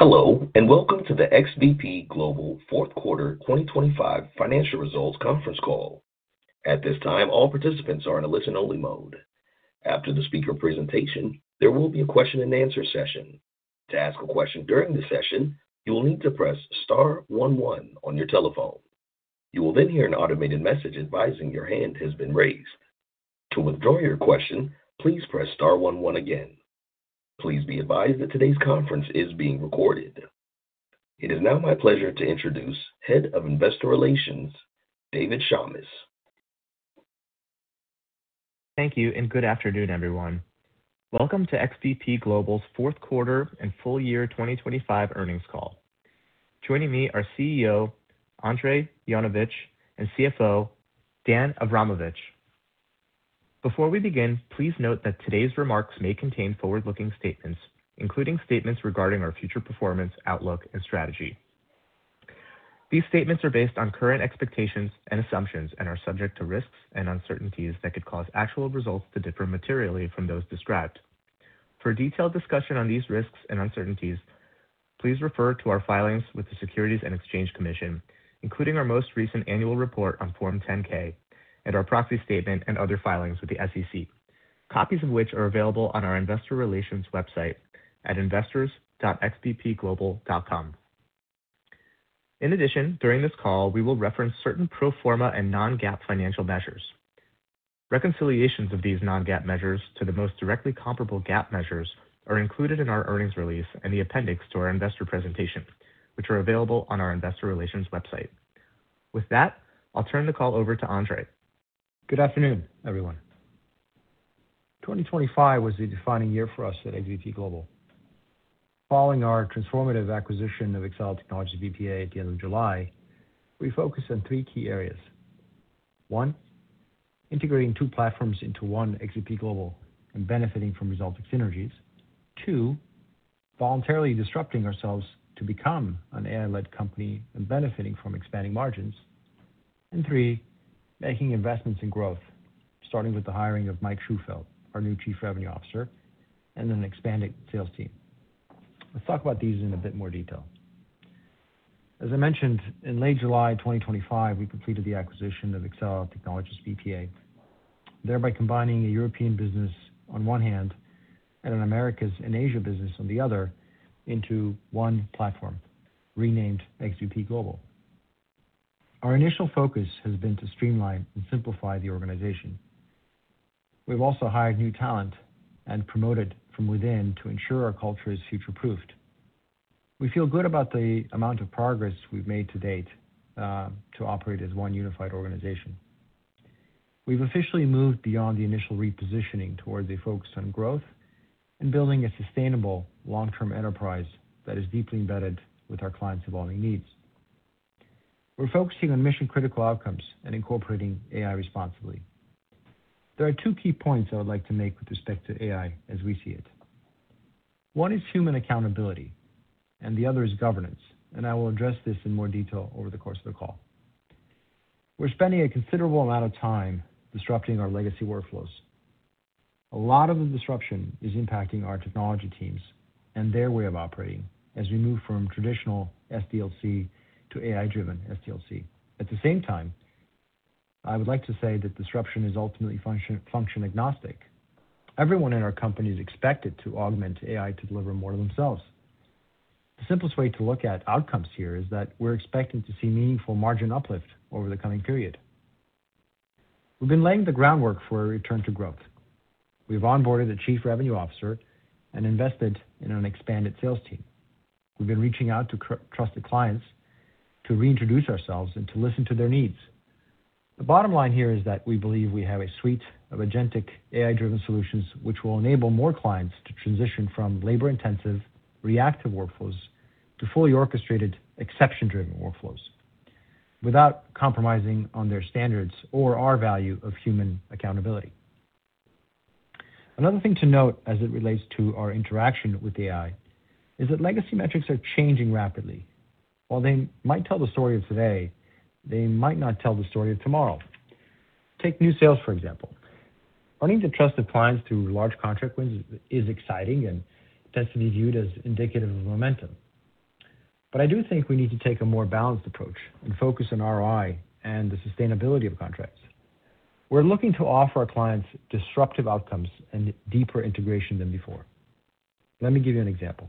Hello, and welcome to the XBP Global fourth quarter 2025 financial results conference call. At this time, all participants are in a listen-only mode. After the speaker presentation, there will be a question-and-answer session. To ask a question during the session, you will need to press star one one on your telephone. You will then hear an automated message advising your hand has been raised. To withdraw your question, please press star one one again. Please be advised that today's conference is being recorded. It is now my pleasure to introduce Head of Investor Relations, David Shamis. Thank you and good afternoon, everyone. Welcome to XBP Global's fourth quarter and full year 2025 earnings call. Joining me are CEO Andrej Jonovic and CFO Dejan Avramovic. Before we begin, please note that today's remarks may contain forward-looking statements, including statements regarding our future performance, outlook, and strategy. These statements are based on current expectations and assumptions and are subject to risks and uncertainties that could cause actual results to differ materially from those described. For a detailed discussion on these risks and uncertainties, please refer to our filings with the Securities and Exchange Commission, including our most recent annual report on Form 10-K and our proxy statement and other filings with the SEC, copies of which are available on our investor relations website at investors.xbpglobal.com. In addition, during this call, we will reference certain pro forma and non-GAAP financial measures. Reconciliations of these non-GAAP measures to the most directly comparable GAAP measures are included in our earnings release in the appendix to our investor presentation, which are available on our investor relations website. With that, I'll turn the call over to Andrej. Good afternoon, everyone. 2025 was a defining year for us at XBP Global. Following our transformative acquisition of Exela Technologies BPA at the end of July, we focused on three key areas. One, integrating two platforms into one XBP Global and benefiting from resulting synergies. Two, voluntarily disrupting ourselves to become an AI-led company and benefiting from expanding margins. Three, making investments in growth, starting with the hiring of Mike Shufeldt, our new Chief Revenue Officer, and an expanded sales team. Let's talk about these in a bit more detail. As I mentioned, in late July 2025, we completed the acquisition of Exela Technologies BPA, thereby combining a European business on one hand and an Americas and Asia business on the other into one platform, renamed XBP Global. Our initial focus has been to streamline and simplify the organization. We've also hired new talent and promoted from within to ensure our culture is future-proofed. We feel good about the amount of progress we've made to date to operate as one unified organization. We've officially moved beyond the initial repositioning towards a focus on growth and building a sustainable long-term enterprise that is deeply embedded with our clients' evolving needs. We're focusing on mission-critical outcomes and incorporating AI responsibly. There are two key points I would like to make with respect to AI as we see it. One is human accountability, and the other is governance, and I will address this in more detail over the course of the call. We're spending a considerable amount of time disrupting our legacy workflows. A lot of the disruption is impacting our technology teams and their way of operating as we move from traditional SDLC to AI-driven SDLC. At the same time, I would like to say that disruption is ultimately function agnostic. Everyone in our company is expected to augment AI to deliver more of themselves. The simplest way to look at outcomes here is that we're expecting to see meaningful margin uplift over the coming period. We've been laying the groundwork for a return to growth. We've onboarded a Chief Revenue Officer and invested in an expanded sales team. We've been reaching out to our trusted clients to reintroduce ourselves and to listen to their needs. The bottom line here is that we believe we have a suite of agentic AI-driven solutions which will enable more clients to transition from labor-intensive reactive workflows to fully orchestrated exception-driven workflows without compromising on their standards or our value of human accountability. Another thing to note as it relates to our interaction with AI is that legacy metrics are changing rapidly. While they might tell the story of today, they might not tell the story of tomorrow. Take new sales, for example. Winning the trust of clients through large contract wins is exciting and tends to be viewed as indicative of momentum. I do think we need to take a more balanced approach and focus on ROI and the sustainability of contracts. We're looking to offer our clients disruptive outcomes and deeper integration than before. Let me give you an example.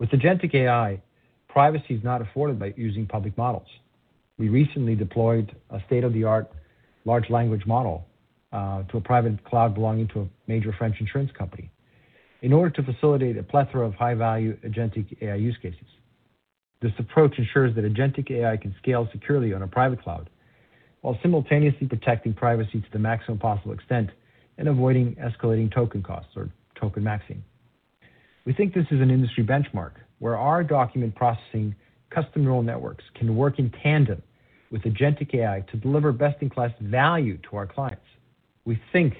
With agentic AI, privacy is not afforded by using public models. We recently deployed a state-of-the-art large language model to a private cloud belonging to a major French insurance company in order to facilitate a plethora of high-value agentic AI use cases. This approach ensures that agentic AI can scale securely on a private cloud while simultaneously protecting privacy to the maximum possible extent and avoiding escalating token costs or token maxing. We think this is an industry benchmark where our document processing custom neural networks can work in tandem with agentic AI to deliver best-in-class value to our clients. We think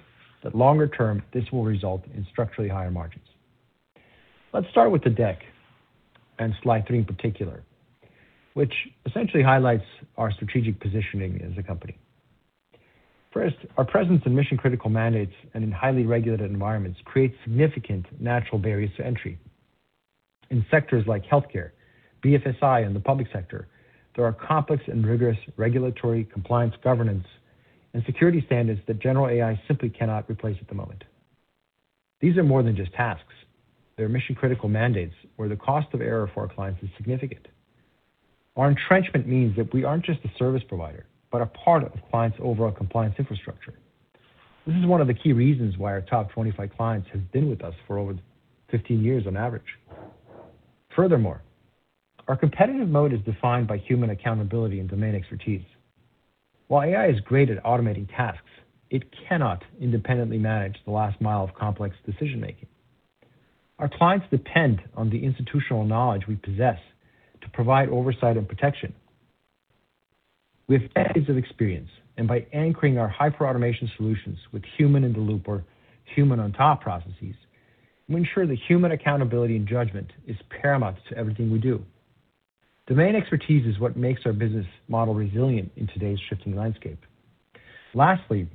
that longer term, this will result in structurally higher margins. Let's start with the deck and slide three in particular, which essentially highlights our strategic positioning as a company. First, our presence in mission-critical mandates and in highly regulated environments creates significant natural barriers to entry. In sectors like healthcare, BFSI, and the public sector, there are complex and rigorous regulatory compliance governance and security standards that general AI simply cannot replace at the moment. These are more than just tasks. They're mission-critical mandates where the cost of error for our clients is significant. Our entrenchment means that we aren't just a service provider, but a part of the client's overall compliance infrastructure. This is one of the key reasons why our top 25 clients have been with us for over 15 years on average. Furthermore, our competitive mode is defined by human accountability and domain expertise. While AI is great at automating tasks, it cannot independently manage the last mile of complex decision-making. Our clients depend on the institutional knowledge we possess to provide oversight and protection. With decades of experience, and by anchoring our hyper-automation solutions with human-in-the-loop or human-on-top processes, we ensure that human accountability and judgment is paramount to everything we do. Domain expertise is what makes our business model resilient in today's shifting landscape. Lastly,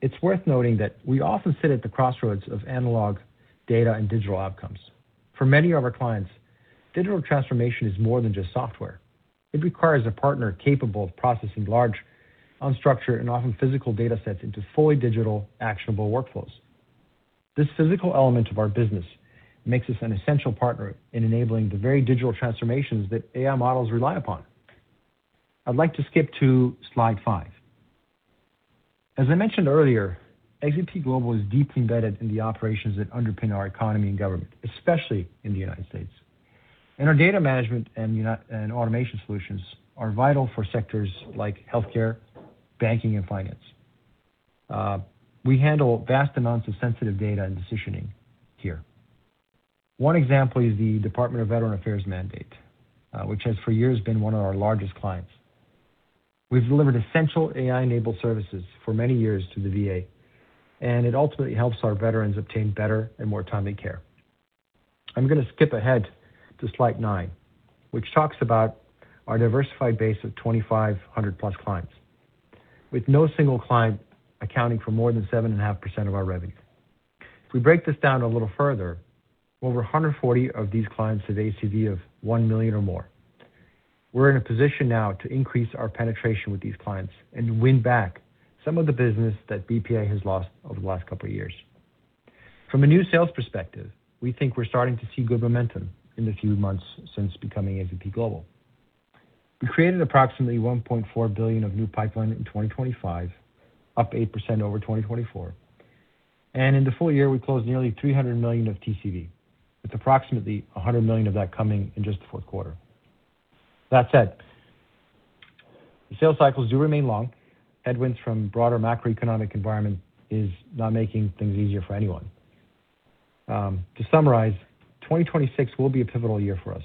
it's worth noting that we often sit at the crossroads of analog data and digital outcomes. For many of our clients, digital transformation is more than just software. It requires a partner capable of processing large, unstructured, and often physical datasets into fully digital, actionable workflows. This physical element of our business makes us an essential partner in enabling the very digital transformations that AI models rely upon. I'd like to skip to slide five. As I mentioned earlier, XBP Global is deeply embedded in the operations that underpin our economy and government, especially in the United States. Our data management and automation solutions are vital for sectors like healthcare, banking, and finance. We handle vast amounts of sensitive data and decisioning here. One example is the Department of Veterans Affairs, which has for years been one of our largest clients. We've delivered essential AI-enabled services for many years to the VA, and it ultimately helps our veterans obtain better and more timely care. I'm gonna skip ahead to slide nine, which talks about our diversified base of 2,500+ clients, with no single client accounting for more than 7.5% of our revenue. If we break this down a little further, over 140 of these clients have ACV of $1 million or more. We're in a position now to increase our penetration with these clients and win back some of the business that BPA has lost over the last couple of years. From a new sales perspective, we think we're starting to see good momentum in the few months since becoming XBP Global. We created approximately $1.4 billion of new pipeline in 2025, up 8% over 2024, and in the full year, we closed nearly $300 million of TCV, with approximately $100 million of that coming in just the fourth quarter. That said, the sales cycles do remain long. Headwinds from the broader macroeconomic environment are not making things easier for anyone. To summarize, 2026 will be a pivotal year for us.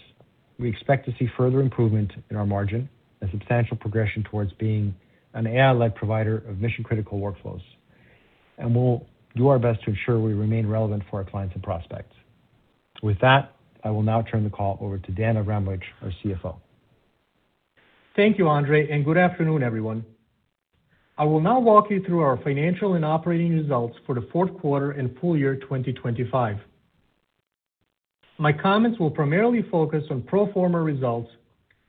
We expect to see further improvement in our margin and substantial progression towards being an AI-led provider of mission-critical workflows, and we'll do our best to ensure we remain relevant for our clients and prospects. With that, I will now turn the call over to Dejan Avramovic, our CFO. Thank you, Andrej, and good afternoon, everyone. I will now walk you through our financial and operating results for the fourth quarter and full year 2025. My comments will primarily focus on pro forma results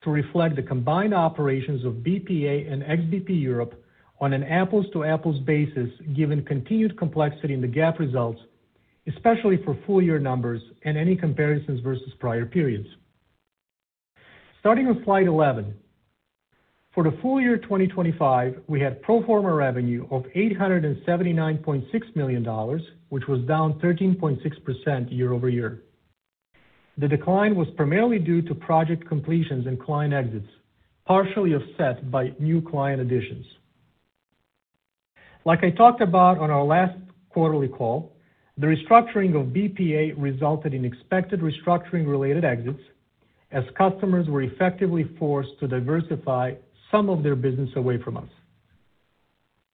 to reflect the combined operations of BPA and XBP Europe on an apples-to-apples basis, given continued complexity in the GAAP results, especially for full year numbers and any comparisons versus prior periods. Starting on slide 11. For the full year 2025, we had pro forma revenue of $879.6 million, which was down 13.6% year-over-year. The decline was primarily due to project completions and client exits, partially offset by new client additions. Like I talked about on our last quarterly call, the restructuring of BPA resulted in expected restructuring related exits as customers were effectively forced to diversify some of their business away from us.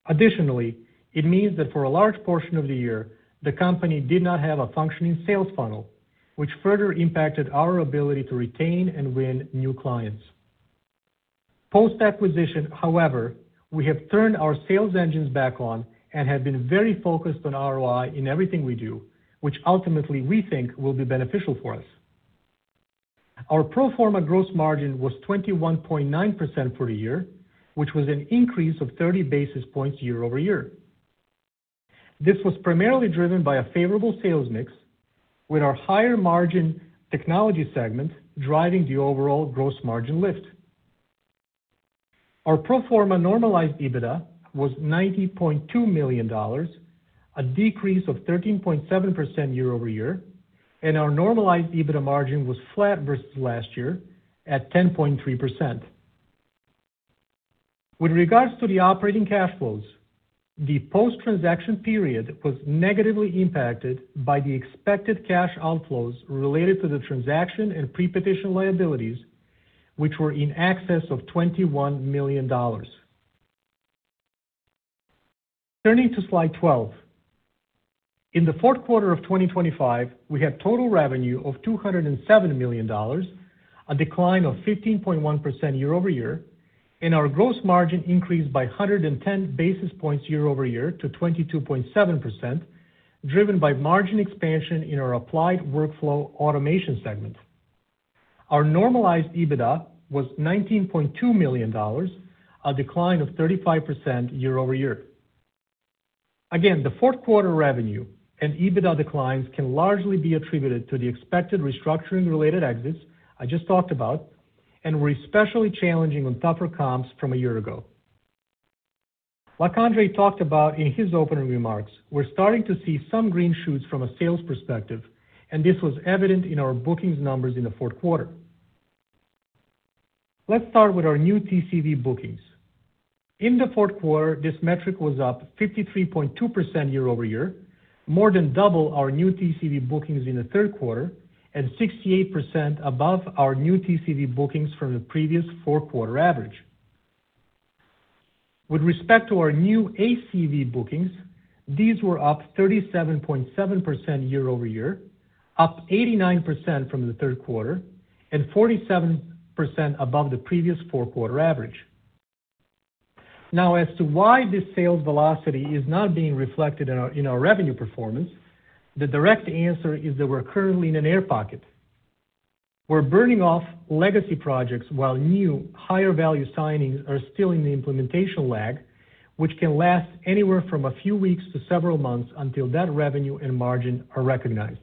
Additionally, it means that for a large portion of the year, the company did not have a functioning sales funnel, which further impacted our ability to retain and win new clients. Post-acquisition, however, we have turned our sales engines back on and have been very focused on ROI in everything we do, which ultimately we think will be beneficial for us. Our pro forma gross margin was 21.9% for the year, which was an increase of 30 basis points year-over-year. This was primarily driven by a favorable sales mix with our higher margin technology segment driving the overall gross margin lift. Our pro forma normalized EBITDA was $90.2 million, a decrease of 13.7% year-over-year, and our normalized EBITDA margin was flat versus last year at 10.3%. With regards to the operating cash flows, the post-transaction period was negatively impacted by the expected cash outflows related to the transaction and pre-petition liabilities, which were in excess of $21 million. Turning to slide 12. In the fourth quarter of 2025, we had total revenue of $207 million, a decline of 15.1% year-over-year, and our gross margin increased by 110 basis points year-over-year to 22.7%, driven by margin expansion in our Applied Workflow Automation segment. Our normalized EBITDA was $19.2 million, a decline of 35% year-over-year. Again, the fourth quarter revenue and EBITDA declines can largely be attributed to the expected restructuring-related exits I just talked about and were especially challenging on tougher comps from a year ago. Like Andrej talked about in his opening remarks, we're starting to see some green shoots from a sales perspective, and this was evident in our bookings numbers in the fourth quarter. Let's start with our new TCV bookings. In the fourth quarter, this metric was up 53.2% year-over-year, more than double our new TCV bookings in the third quarter and 68% above our new TCV bookings from the previous four-quarter average. With respect to our new ACV bookings, these were up 37.7% year-over-year, up 89% from the third quarter, and 47% above the previous four-quarter average. Now as to why this sales velocity is not being reflected in our revenue performance, the direct answer is that we're currently in an air pocket. We're burning off legacy projects while new higher value signings are still in the implementation lag, which can last anywhere from a few weeks to several months until that revenue and margin are recognized.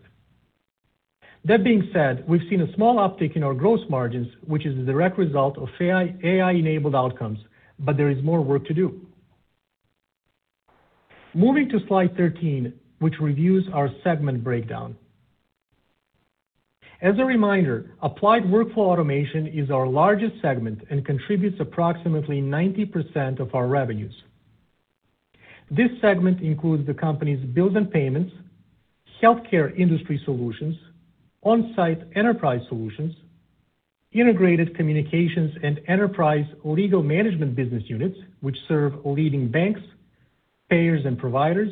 That being said, we've seen a small uptick in our gross margins, which is a direct result of AI-enabled outcomes, but there is more work to do. Moving to slide 13, which reviews our segment breakdown. As a reminder, Applied Workflow Automation is our largest segment and contributes approximately 90% of our revenues. This segment includes the company's bills and payments, healthcare industry solutions, on-site enterprise solutions, integrated communications, and enterprise legal management business units, which serve leading banks, payers and providers,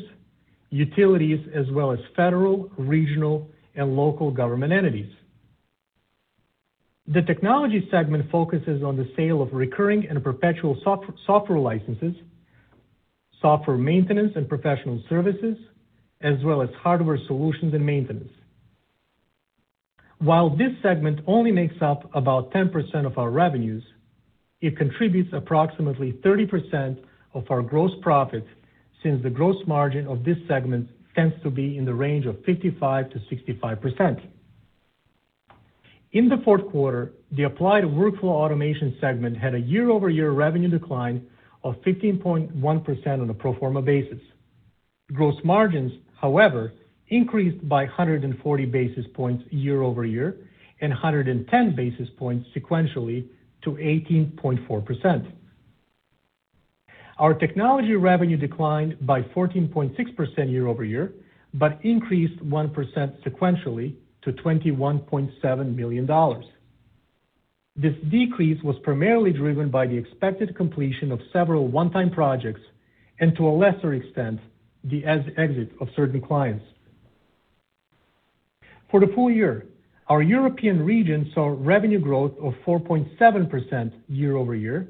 utilities as well as federal, regional, and local government entities. The technology segment focuses on the sale of recurring and perpetual software licenses, software maintenance and professional services, as well as hardware solutions and maintenance. While this segment only makes up about 10% of our revenues, it contributes approximately 30% of our gross profits since the gross margin of this segment tends to be in the range of 55%-65%. In the fourth quarter, the Applied Workflow Automation segment had a year-over-year revenue decline of 15.1% on a pro forma basis. Gross margins, however, increased by 140 basis points year-over-year, and 110 basis points sequentially to 18.4%. Our technology revenue declined by 14.6% year-over-year, but increased 1% sequentially to $21.7 million. This decrease was primarily driven by the expected completion of several one-time projects and, to a lesser extent, the exit of certain clients. For the full year, our European region saw revenue growth of 4.7% year-over-year,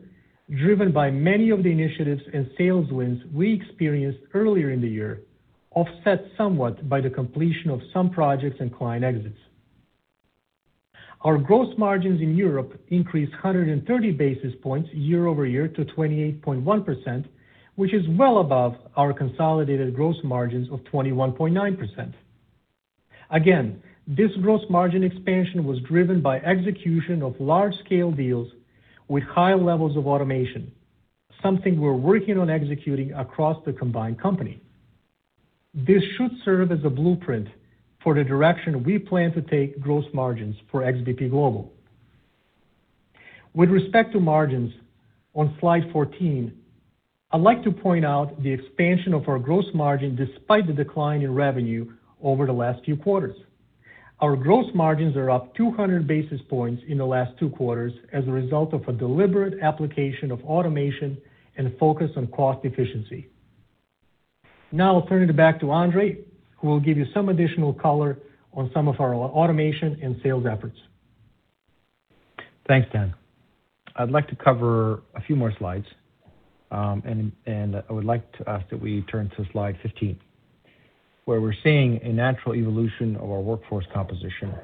driven by many of the initiatives and sales wins we experienced earlier in the year, offset somewhat by the completion of some projects and client exits. Our gross margins in Europe increased 130 basis points year-over-year to 28.1%, which is well above our consolidated gross margins of 21.9%. This gross margin expansion was driven by execution of large-scale deals with high levels of automation, something we're working on executing across the combined company. This should serve as a blueprint for the direction we plan to take gross margins for XBP Global. With respect to margins on slide 14, I'd like to point out the expansion of our gross margin despite the decline in revenue over the last few quarters. Our gross margins are up 200 basis points in the last two quarters as a result of a deliberate application of automation and focus on cost efficiency. Now I'll turn it back to Andrej, who will give you some additional color on some of our automation and sales efforts. Thanks, Dejan. I'd like to cover a few more slides, and I would like to ask that we turn to slide 15, where we're seeing a natural evolution of our workforce composition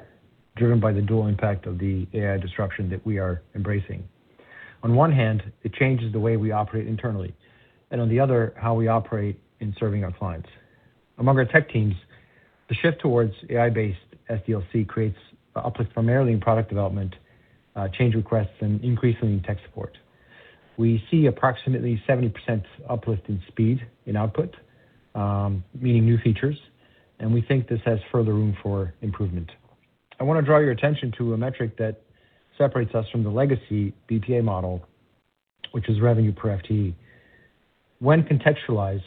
driven by the dual impact of the AI disruption that we are embracing. On one hand, it changes the way we operate internally, and on the other, how we operate in serving our clients. Among our tech teams, the shift towards AI-based SDLC creates an uplift primarily in product development, change requests, and increasingly in tech support. We see approximately 70% uplift in speed in output, meaning new features, and we think this has further room for improvement. I want to draw your attention to a metric that separates us from the legacy BPA model, which is revenue per FTE. When contextualized,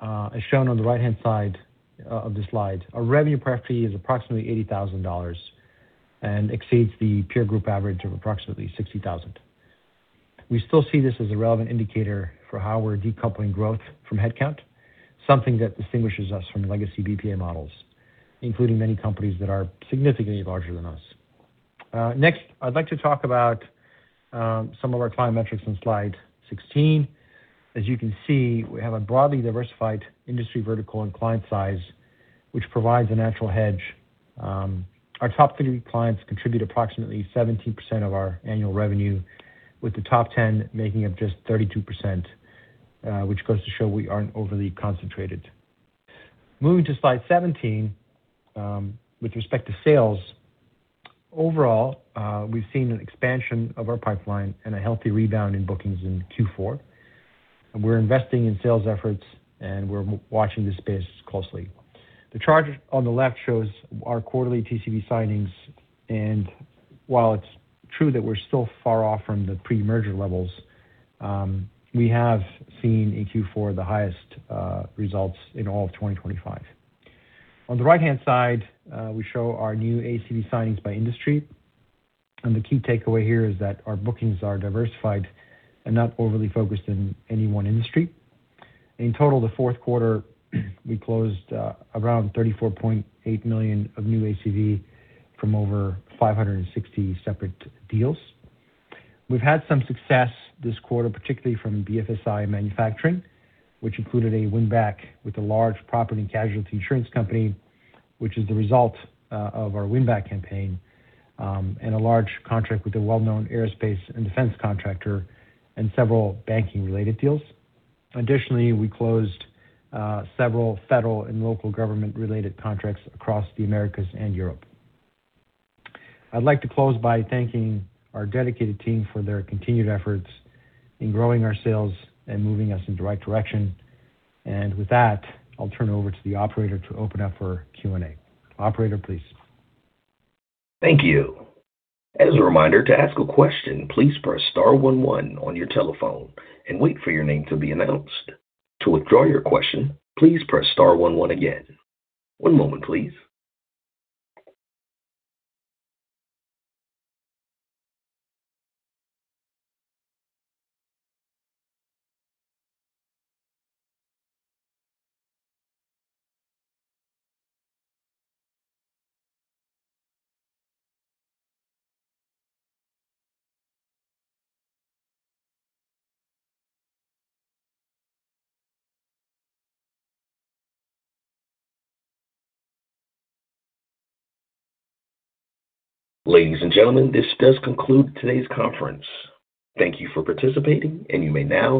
as shown on the right-hand side of the slide, our revenue per FTE is approximately $80,000 and exceeds the peer group average of approximately $60,000. We still see this as a relevant indicator for how we're decoupling growth from headcount, something that distinguishes us from legacy BPA models, including many companies that are significantly larger than us. Next, I'd like to talk about some of our client metrics on slide 16. As you can see, we have a broadly diversified industry vertical and client size, which provides a natural hedge. Our top three clients contribute approximately 17% of our annual revenue, with the top ten making up just 32%, which goes to show we aren't overly concentrated. Moving to slide 17, with respect to sales. Overall, we've seen an expansion of our pipeline and a healthy rebound in bookings in Q4. We're investing in sales efforts, and we're watching this space closely. The chart on the left shows our quarterly TCV signings, and while it's true that we're still far off from the pre-merger levels, we have seen in Q4 the highest results in all of 2025. On the right-hand side, we show our new ACV signings by industry, and the key takeaway here is that our bookings are diversified and not overly focused in any one industry. In total, the fourth quarter, we closed around $34.8 million of new ACV from over 560 separate deals. We've had some success this quarter, particularly from BFSI manufacturing, which included a win-back with a large property and casualty insurance company, which is the result of our win-back campaign, and a large contract with a well-known aerospace and defense contractor and several banking-related deals. Additionally, we closed several federal and local government-related contracts across the Americas and Europe. I'd like to close by thanking our dedicated team for their continued efforts in growing our sales and moving us in the right direction. With that, I'll turn it over to the operator to open up for Q&A. Operator, please. Thank you. As a reminder to ask a question, please press star one one on your telephone and wait for your name to be announced. To withdraw your question, please press star one one again. One moment, please. Ladies and gentlemen, this does conclude today's conference. Thank you for participating, and you may now disconnect.